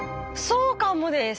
そうかもです。